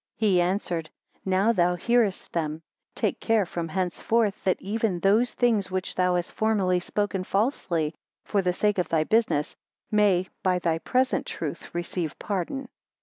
He answered, Now thou hearest them Take care from henceforth, that even those things which thou hast formerly spoken falsely for the sake of thy business, may, by thy present truth receive pardon.